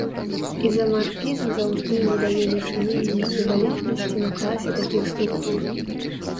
Ізамарфізм заўжды задае дачыненне эквівалентнасці на класе такіх структур.